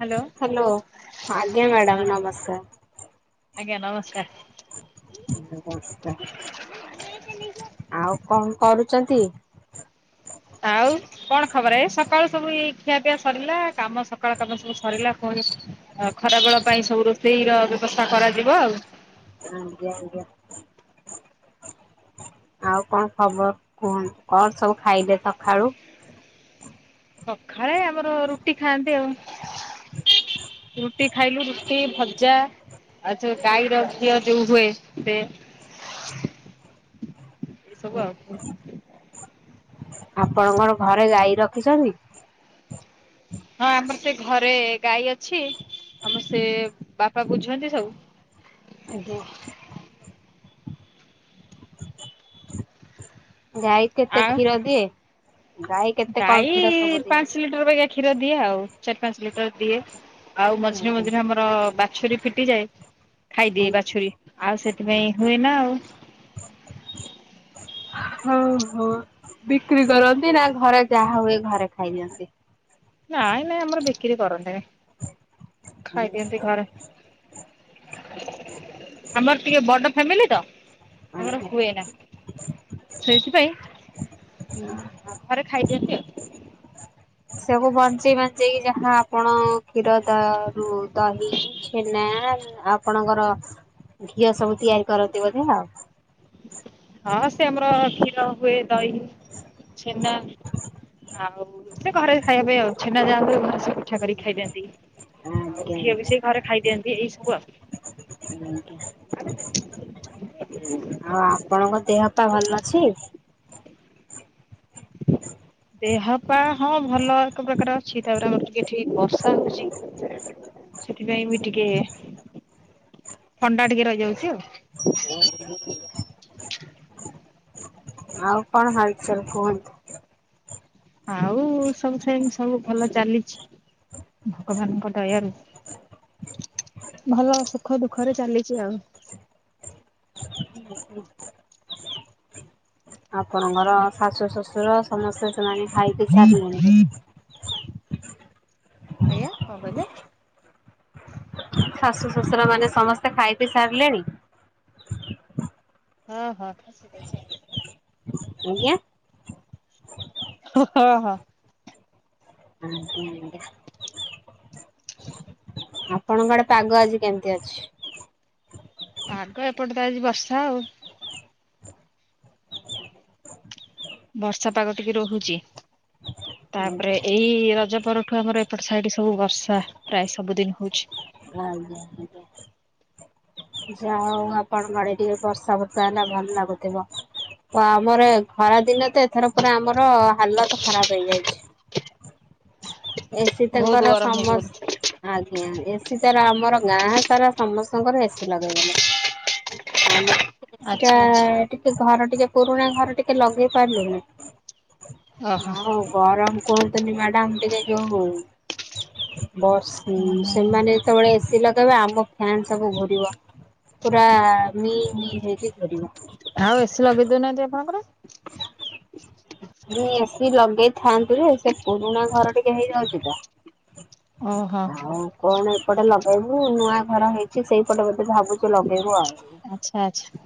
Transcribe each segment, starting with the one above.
Hello hello ଆଜ୍ଞା madam ହଁ ନମସ୍କାର୍। ଆଜ୍ଞା ନମସ୍କାର୍। ଆଉ କଣ କରୁଚନ୍ତି? ଆଉ କଣ ଖବର ଏ ସକାଳୁ ସବୁ ଏଇ ଖିଆ ପିଆ ସରିଲା କାମ ସକାଳ କାମ ସବୁ ସରିଲା ପୁଣି ଅ ଖରାବେଳ ପାଇଁ ସବୁ ରୋଷେଇ ର ବ୍ୟବସ୍ଥା କରାଯିବ ଆଉ। ଆଜ୍ଞା ଆଜ୍ଞା। ଆଉ କଣ ଖବର କୁହ? କଣ ସବୁ ଖାଇଲେ ସକାଳୁ? ସକାଳେ ଆମର ରୁଟି ଖାଆନ୍ତି ଆଉ। ରୁଟି ଖାଇଲୁ ରୁଟି ଭଜା ଆଛ ଗାଈ ର ଘିଅ ଯୋଉ ହୁଏ ସେ ଏ ହୁଁ ସବୁ ଆଉ। ଆପଣଙ୍କ ଘରେ ଗାଈ ରଖିଛନ୍ତି? ହଁ ଆମର ସେ ଘରେ ଗାଈ ଅଛି ଆମର ସେ ବାପା ବୁଝନ୍ତି ସବୁ। ଆଜ୍ଞା। ଗାଈ କେତେ ଆଉ କ୍ଷୀର ଦିଏ? ଗାଈ କେତେ କଣ ଗାଈ କ୍ଷୀର ସବୁ ଦିଏ? ପାଞ୍ଚ ଲିଟର ବାଖା କ୍ଷୀର ଦିଏ। ଆଉ ଚାରି ପାଞ୍ଚ ଲିଟର ଦିଏ। ଆଉ ମଝିରେ ଆଜ୍ଞା। ମଝିରେ ଆମର ବାଛୁରୀ ଫିଟିଯାଏ। ଖାଇଦିଏ ବାଛୁରୀ ଆଉ ସେଥିପାଇଁ ହୁଏ ନା ଆଉ। ହଁ ହଁ ବିକ୍ରି କରନ୍ତି ନା ଘରେ ଯାହା ହୁଏ ଘରେ ଖାଇ ଦିଅନ୍ତି। ନାଇଁ ନାଇଁ ଆମର ବିକ୍ରି କରନ୍ତିନି। ଖାଇଦିଅନ୍ତି ଘରେ। ଆମର ଟିକେ ବଡ ଫ୍ୟାମିଲି ତ। ଆମର ଆଜ୍ଞା। ହୁଏ ନା ସେଇଥିପାଇଁ ଘରେ ଖାଇଦିଅନ୍ତି ହୁଁ ସେକୁ ବଞ୍ଚେଇ ବଞ୍ଚେଇ କି ଯାହା ଆପଣ କ୍ଷୀର ଦ ରୁ ଦହି ଛେନା ଆପଣଙ୍କର ଘିଅ ସବୁ ତିଆରି କରନ୍ତି ବୋଧେ ଆଉ। ହଁ ସେ ଆମର କ୍ଷୀର ହୁଏ ଦହି ଛେନା ଆଉ ସେ ଘରେ ଖାଇବା ପାଇଁ ଆଉ ଛେନା ଯାହା ହୁଏ ଘର ସେ ପିଠା କରିକି ଖାଇଦିଅନ୍ତି। ଆଉ ଆଜ୍ଞା ଘିଅ ବି ସେଇ ଆଜ୍ଞା ଘରେ ଖାଇଦିଅନ୍ତି ଏଇ ସବୁ ଆଉ। ଆଜ୍ଞା। ଆଉ ଆପଣଙ୍କ ଦେହ ପା ଭଲ ଅଛି? ଦେହ ପା ହଁ ଭଲ ଏକ ପ୍ରକାର ଛି ତାପରେ ଆମର ଟିକେ ଏଠି ବର୍ଷା ହଉଛି ସେଥିପାଇଁ ବି ଟିକେ ଥଣ୍ଡା ଟିକେ ରହିଯାଉଛି ଆଉ [unintelligible] ଆଉ କଣ ହାଲଚାଲ କୁହନ୍ତୁ? ଆଉ ସବୁ ସେମିତି ସବୁ ଭଲ ଚାଲିଛି ଭଗବାନଙ୍କ ଦୟାରୁ। ଭଲ ସୁଖ ଦୁଃଖରେ ଚାଲିଛି ଆଉ। ହଁ ହଁ ଆପଣଙ୍କର ଶାଶୁ ଶଶୁର ସମସ୍ତେ ସେମାନେ ଖାଇ ପି ସାରିଲେଣି କି? ଆଜ୍ଞା କଣ କହିଲ? ଶାଶୁ ଶ୍ୱଶୁର ମାନେ ସମସ୍ତେ ଖାଇ ପିଇ ସାରିଲେଣି? ହଁ ହଁ। ଆଜ୍ଞା। ହଁ ହଁ। ଆଜ୍ଞା ଆଜ୍ଞା। ଆପଣଙ୍କଆଡେ ପାଗ ଆଜି କେମିତି ଅଛି? ପାଗ ଏପଟେ ତ ଆଜି ବର୍ଷା ଆଉ। ବର୍ଷା ପାଗ ଟିକେ ରହୁଛି। ତାପରେ ଆଜ୍ଞା ଏଇ ରଜ ପରଠୁ ଆମର ଏପଟ ସାଇଟି ସବୁ ବର୍ଷ ପ୍ରାୟ ସବୁଦିନ ହଉଛି। ଆଜ୍ଞା ଆଜ୍ଞା। ଯାହା ହଉ ଆପଣଙ୍କର ଟିକେ ବର୍ଷା ଫର୍ଷା ହେଲା ଭଲ ଲାଗୁଥିବ? ତ ଆମର ଖରା ଦିନେ ତ ଏଥର ପୁରା ଆମର ହାଲତ ଖରାପ ହେଇଯାଇଛି। ଏସି ବହୁତ ତାଙ୍କର ଗରମ ହେଇଛି ବୋଧେ ସମସ୍ତ ଆଜ୍ଞା ଏ [unintelligible] ତାର ଆମର ଗାଁ ସାରା ସମସ୍ତଙ୍କର ଏସି ଲଗେଇ ଦେଲେ ଆମର ସେଟା ଆଚ୍ଛା ଆଚ୍ଛା ଟିକେ ଘର ଟିକେ ପୁରୁଣା ଘର ଟିକେ ଲଗେଇ ପାରିବୁନି। ଓହୋ ହୋଉ ଗରମ କୁହନ୍ତୁନି ମ୍ୟାଡାମ ଟିକେ [unintelligible] ବସ୍ ହୁଁ ହୁଁ। ସେମାନେ ଯେତେବେଳେ ଏସିି ଲଗେଇବେ ଆମ ଫ୍ୟାନ୍ ସବୁ ଘୁରିବ ପୁରା ମି [unintelligible] ଆଉ ଏସି ଲଗେଇ ଦଉନାହାନ୍ତି ଆପଣଙ୍କର? ମୁଁ ଏସି ଲଗେଇ ଥାନ୍ତି ଯେ ସେ ପୁରୁଣା ଘର ଟିକେ ହେଇଯାଉଛି ତ। ଓହୋ। ଆଉ କଣ ଏପଟେ ଲଗେଇବୁ ନୂଆ ଘର ହେଇଛି ସିଏ ସେଇପଟେ ବୋଧେ ଭାବୁଛି ଲଗେଇବ ଆଉ। ଆଛା ଆଛା।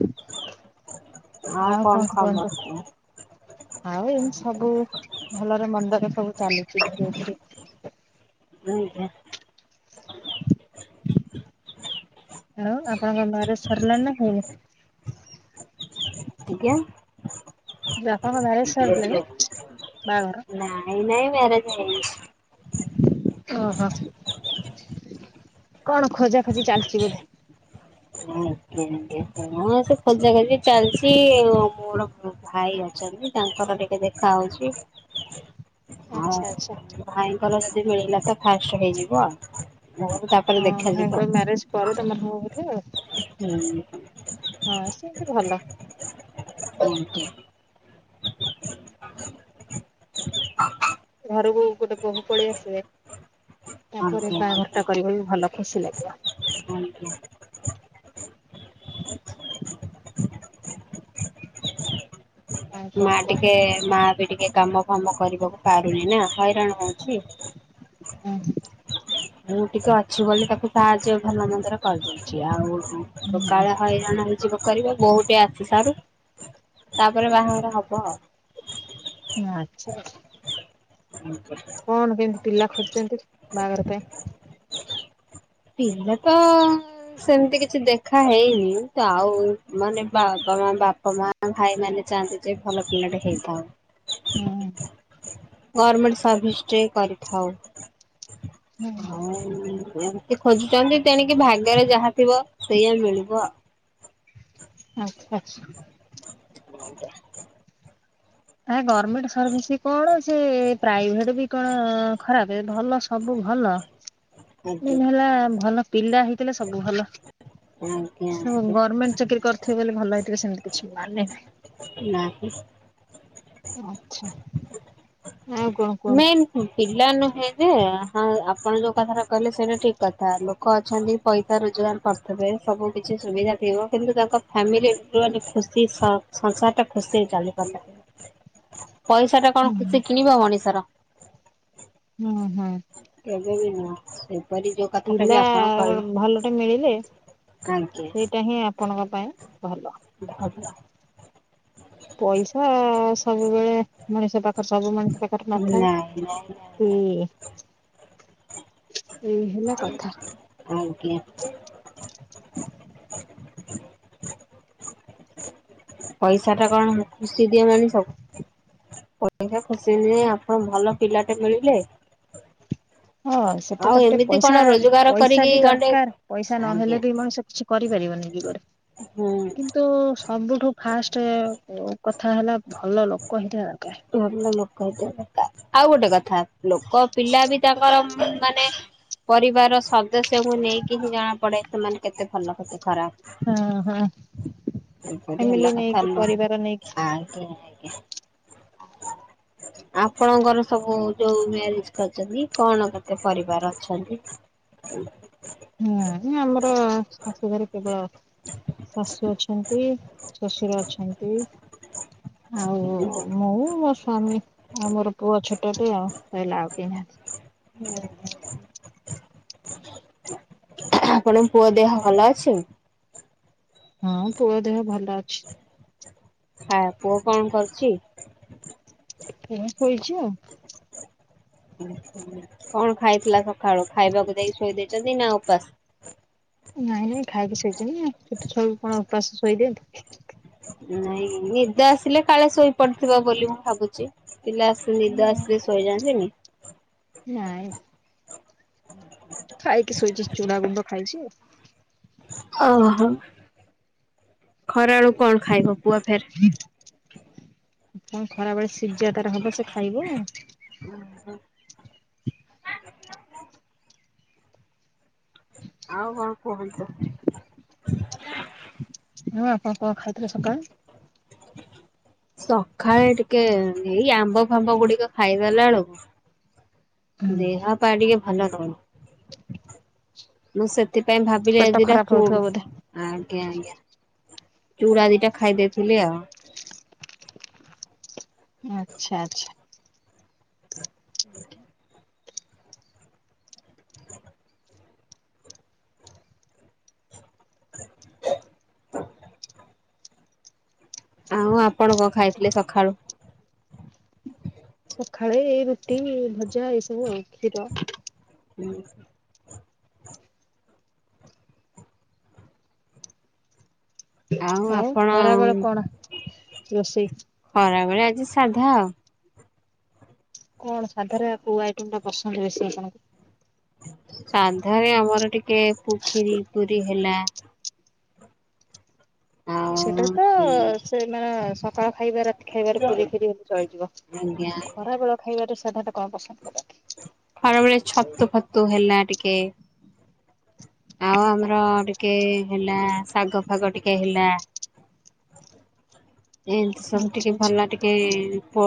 ହୁଁ ଆଉ କଣ କୁହନ୍ତୁ? ଆଉ ଏମିତି ସବୁ ଭଲରେ ମନ୍ଦ ରେ ସବୁ ଚାଲିଛି ଧିରେ ଧିରେ। ନାଇଁ ପା ଆଉ ଆପଣଙ୍କ ମ୍ୟାରେଜ ସରିଲାଣି ନା ହେଇନି? ଆଜ୍ଞା। ଆପଣଙ୍କ ନାଇଁ ମ୍ୟାରେଜ ସରିଲାଣି ନାଇଁ ବାହାଘର? ମ୍ୟାରେଜ ହେଇନି। ଓହୋ କଣ ଖୋଜା ଖୋଜି ଚାଲିଛି ବୋଧେ ହଁ ସେ ଖୋଜାଖୋଜି ଚାଲିଛି। ଭାଇ ଅଛନ୍ତି ତାଙ୍କର ଟିକେ ଦେଖା ହଉଛି ଆଉ ଆଚ୍ଛା ଆଚ୍ଛା। ଭାଇଙ୍କର ଯଦି ମିଳିଲା ତ ଫାଷ୍ଟ ହେଇଯିବ ଆଉ ତା ହଁ ଭାଇଙ୍କର ମ୍ୟାରେଜ ପରେ ତମର ହଉ କଠେ ଆଉ ହୁଁ। ହଁ ସେମିତି ଭଲ ଓକେ। ଘରକୁ ଗୋଟେ ବୋହୂ ପଳେଇ ଆସିବେ ତାପରେ ବାହାଘର ଟା କରିବା ବି ଭଲ ଖୁସି ଲାଗିଲା। ଆଜ୍ଞା। ଆଉ କଣ ମା ଟିକେ କୁହନ୍ତୁ? ମା ବି ଟିକେ କାମ ଫାମ କରିବାକୁ ପାରୁନି ନା ହଇରାଣ ହଉଛି। ହୁଁ। ମୁଁ ଟିକେ ଅଛି ବୋଲି ତାକୁ ସାହାଯ୍ୟ ଭଲ ମନ୍ଦରେ କରିଦେଉଛି ଆଉ ସକାଳ ହଇରାଣ ହେଇଯିବ କରିବ ବୋଉଟି ଆସି ସାରୁ ତାପରେ ବାହାଘର ହେବ ଆଉ ହଁ ଆଛା। ହୁଁ କଣ କେମତି ପିଲା ଖୋଜୁଛନ୍ତି ବାହାଘର ପାଇଁ ପିଲ ତ ସେମିତି କିଛି ଦେଖା ହେଇନି ତ ଆଉ ମାନେ ବାପ ମା ବାପା ମା ଆ ଭାଇ ମାନେ ଚାହାନ୍ତି ଯେ ଭଲ ପିଲାଟେ ହେଇଥାଉ ହୁଁ ଗଭର୍ଣ୍ଣମେଣ୍ଟ ସର୍ଭିସେ କରିଥାଉ। ହୁଁ। ହଁ। ସେ ଖୋଜୁଛନ୍ତି ତେଣିକି ଭାଗ୍ୟରେ ଯାହା ଥିବ ସେଇଆା ମିଳିବ ଆଉ ଆଛା ଆଛା। ହ କ ଆ ଗଭର୍ଣ୍ଣମେଣ୍ଟ ସର୍ଭିସ କଣ ସେ ପ୍ରାଇଭେଟ ବି କଣ ଖରାପ ଏ ଭଲ ସବୁ ଭଲ ଆଜ୍ଞା ଦିନ ହେଲା ଭଲ ପିଲା ହେଇଥିଲେ ସବୁ ଭଲ ଆଜ୍ଞା ଗଭର୍ମେଣ୍ଟ ଚାକିରି କରି ଥିବେ ବୋଲି ଭଲହେଇଥିବ ସେମିତି କିଛି ମାନେ ନାହିଁ। ନାହିଁ। ଆଚ୍ଛା, ଆଉ କଣ କୁହ? ମେନ୍ ପିଲା ନୁହେଁ ଯେ [unintelligible] ଆପଣ ଯୋଉ କଥାଟା କହିଲେ ସେଇଟା ଠିକ କଥା। ଲୋ କ ଅଛନ୍ତି ପଇସା ରୋଜଗାର କରଥୁବେ। ସବୁ କିଛି ସୁବିଧା ଥିବ। କିନ୍ତୁ ତାଙ୍କ ଫ୍ୟାମିଲି [unintelligible] ଖୁସି ସ -ସଂସାର ଟା ଖୁସି ହେଇ ଚାଲି ପାରନ୍ତା କି। ହ ପଇସା ଟା କଣ କିଛି କିଣିବ ମଣିଷର। ହଁ, ହଁ। କେବେ ବି ନୁହଁ। ସେପରି ଯୋ ପିଲା ଗ, ଭଲଟେ ମିଳିଲେ ଆଜ୍ଞା ସେଇଟା ହିଁ ଆପଣଙ୍କ ପାଇଁ ଭଲ। ଭଲ। ପଇସା ସବୁବେଳେ ମଣିଷ ପାଖରେ ସବୁ ମଣିଷ ପାଖ ତାର ନଥାଏ, ନାଇଁ ନାଇଁ। କି ଏଇ ହେଲା କଥା। ଆପଣଙ୍କୁ କିଏ [inaudible] ପଇସା ଟା କଣ ଖୁସି ଦିଏ ମଣିଷକୁ। ପଇସା ଖୁସି ଦିଏ। ଆପଣ ଭଲ ପିଲା ଟେ ମିଳିଲେ। [unintelligible] ସେଟା ଆଉ ତା ପରେ ଏମିତି କଣ ପଇସା, ରୋଜଗାର ପଇସା କରିକି ବି ଗଣ୍ଡେ ଦରକାର, ପଇସା ଆଜ୍ଞା ନହେଲେ ବି ମଣିଷ କିଛି କରିପାରିବନି ଯୁଗରେ। ହଁ। କିନ୍ତୁ ସବୁଠୁ ଫାଷ୍ଟ ଅ, କଥା ହେଲା ଭଲ ଲୋକ ହେଇଥିବା ଦରକାର। ଭଲ ଲୋକ ହେଇଥିବା ଦରକାର। ଆଉ ଗୋଟେ କଥା ଲୋକ ପିଲା ବି ତାଙ୍କର ଉଁ, ମାନେ ପରିବାରର ସଦସ୍ୟଙ୍କୁ ନେଇକି ହିଁ ଜଣାପଡ଼େ ସେମାନେ କେତେ ଭଲ କେତେ ଖରାପ। ହଁ ହଁ। ଏପରି ହେଲା ଫ୍ୟାମିଲି କଥା ନେଇକି ଲୋ ପରିବାର ନେଇକି। I K. କେ [inaudible] ଆପଣଙ୍କର ସବୁ ଯୋଉ ମ୍ୟାରେଜ୍ କରିଚନ୍ତି କଣ କେତେ ପରିବାର ଅଛନ୍ତି? ଆଉ। ହଁ ନା ଆମର ଶାଶୁ ଘରେ କେବଳ ଶାଶୁ ଅଛନ୍ତି, ଶଶୁର ଅଛନ୍ତି। ଆଉ ମୁଁ ମୋ ସ୍ଵାମୀ ଆଉ ମୋର ପୁଅ ଛୋଟ ଟେ ଆଉ ହେଲା ଆଉ କିଏ ନାହାନ୍ତି। [inaudible] ଆପଣଙ୍କ ପୁଅ ଦେହ ଭଲ ଅଛି? ହଁ ପୁଅ ଦେହ ଭଲ ଅଛି। ଖା-ପୁଅ କଣ କରୁଛି? ପୁଅ ଶୋଇଛି ଆଉ। କଣ ଖାଇଥିଲା ସଖାଳୁ? ଖାଇବାକୁ ଦେଇ ଶୋଇ ଦେଇଛନ୍ତି ନା ଉପାସ? ନାଇଁ ନାଇଁ ଖାଇକି ଶୋଇଚି ନା। ଛୋଟ ଛୁଆକୁ କଣ ଉପାସ ଶୋଇ ଦିଅନ୍ତି। ନାଇଁ ନିଦ ଆସିଲେ କାଳେ ଶୋଇପଡିଥିବ ବୋଲି ମୁଁ ଭାବୁଚି। ପିଲା ତ ନିଦ ଆସିଲେ ଶୋଇଯାଆନ୍ତି ନି? ନାଇଁ, ନା। ଖାଇକି ଶୋଇଛି ଚୁଡ଼ା ଗୁଣ୍ଡ ଖାଇଛି ଆଉ। ଓହୋ! ଖରାବେଳୁ କଣ ଖାଇବ ପୁଅ ଫେର୍? ଆଉ କଣ ଖରାବେଳେ ସିଜା ତାର ହବ ସେ ଖାଇବ ଆଉ। ଓ ହୋ। ଆଉ କଣ କୁହନ୍ତୁ? ହଁ ଆପଣ କଣ ଖାଇଥିଲେ ସକାଳେ? ସକାଳେ ଟିକେ ଏଇ ଆମ୍ବ ଫାମ୍ବ ଗୁଡିକ ଖାଇଦେଲା ବେଳକୁ ଦେହ ପା ଟିକେ ଭଲ ରହୁନି ମୁଁ ସେ ଥିପାଇଁ ଭାବିଲି ଆଜି ପେଟ ଦିଟା ଖରାପ ହଉଥିବ ଚୁଡ ବୋଧେ ଆଜ୍ଞା ଆଜ୍ଞା ଚୁଡ଼ା ଦିଟା ଖାଇଦେଇଥିଲି ଆଉ। ଆଚ୍ଛା ଆଚ୍ଛା। [inaudible] ଆଉଁ ଆପଣ କଣ ଖାଇଥିଲେ ସକାଳୁ। ସକାଳେ ଏଇ ରୁଟି ଭଜା ଏଇ ସବୁ ଆଉ କ୍ଷୀର। ହୁଁ। ଆଉ ଖରା ବେଳ କଣ ରୋଷେଇ। ଖରାବେଳେ ଆଜି ସାଧା ଆଉ। କଣ ସାଧାରେ ଆ କୋଉ ଆଇଟମ ଟା ପସନ୍ଦ ବେଶି ଆପଣଙ୍କୁ। ସାଧାରେ ଆମର ଟିକେ ପୁ ଖୀରୀ ପୁରି ହେଲା। ଆଉ ସେଟା ତ ଆଜ୍ଞା ସେ ମାନେ ସକାଳ ଖାଇବାର ଖାଇବାରେ ପୁରୀ ଖୀରି ହେଲେ ଚଳିଯିବ ଆଜ୍ଞା ଖରା ବେଳ ଖାଇବାରେ ସାଧାରଣତ କଣ ପସନ୍ଦ କର। ଖରାବେଳେ ଛତୁ ଫତୁ ହେଲା ଟିକେ ଆଉ ଆମର ଟିକେ ହେଲା ଶାଗ ଫାଗ ଟିକେ ହେଲା। ଏମିତି ସବୁ ଟିକେ ଆଚ୍ଛା ଆଚ୍ଛା ଭଲ ଟି ଏ ପ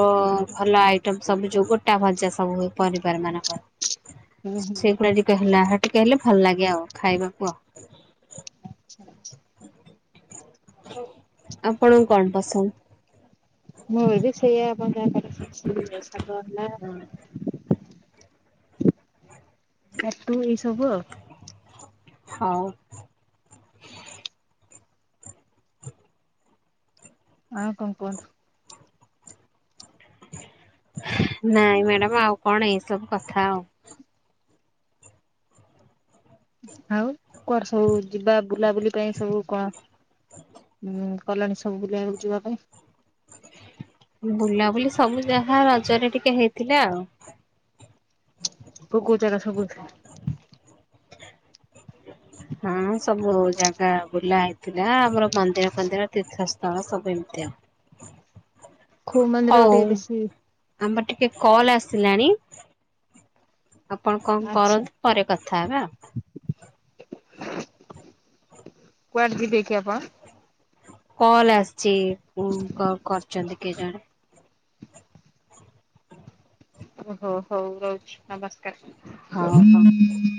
ଭଲ ଆଇଟମ ସବୁ ଯୋଉ ଗୋଟା ଭଜା ସବୁ ହୁଏ ପରିବାର ମାନଙ୍କର। ହୁଁ ହୁଁ ସେଗୁଡା ଟିକେ ହେଲା ହେ ଟିକେ ହେଲେ ଭଲ ଲାଗେ ଆଉ ଖାଇବାକୁ ଆଉ। ଆଛା ଆଛା। ଆପଣକୁ କଣ ପସନ୍ଦ। ମୁଁ ବି ସେଇଆ ଆପଣ ଯାହା [unintelligible] ସାଗ ହେଲା ଛତୁ ଏଇସବୁ ଆଉ। ହଉ। ଆଉ କଣ କୁହ। ନାଇଁ ମ୍ୟାଡ଼ାମ ଆଉ କଣ ଏଇ ସବୁ କଥା ଆଉ। ଆଉ କୁଆଡ଼େ ସବୁ ଯିବା ବୁଲାବୁଲି ପାଇଁ ସବୁ କଣ ହୁଁ କଲଣି ସବୁ ବୁଲିବାକୁ ଯିବା ପାଇଁ। ବୁଲାବୁଲି ସବୁ ଯାହା ରଜରେ ଟିକେ ହେଇଥିଲା ଆଉ। କୋଉ କୋଉ ଜାଗା ସବୁ ବୁଲିଥିଲେ। ହୁଁ ହଁ ସବୁ ଜାଗା ବୁଲା ହେଇଥିଲା ଆମର ମନ୍ଦିର ଫନ୍ଦିର ତୀର୍ଥସ୍ଥଳ ସବୁ ଏମିତି ଆଉ। କୋଉ ମନ୍ଦିର କୁ ହଉ ଟିକେ ବେଶୀ ଆମର ଟିକେ କଲ୍ ଆସିଲାଣି ଆପଣ କଣ ଆଚ୍ଛା କରନ୍ତୁ ପରେ କଥା ହେବା। କୁଆଡେ ଯିବେ କି ଆପଣ। କଲ ଆସିଚି ଉ କ କରିଚନ୍ତି କିଏ ଜଣେ। ଓ ହୋ ହଉ ରହୁଚି ହଉ ହଉ। ନମସ୍କାର।